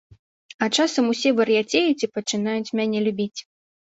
А часам усе вар'яцеюць і пачынаюць мяне любіць.